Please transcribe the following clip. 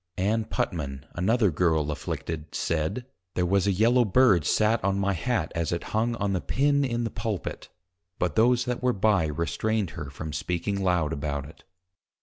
_ Ann Putman, another Girle afflicted, said, There was a Yellow Bird sat on my Hat as it hung on the Pin in the Pulpit; but those that were by, restrained her from speaking loud about it.